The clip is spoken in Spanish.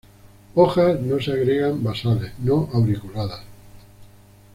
Hojas no se agregan basales; no auriculadas.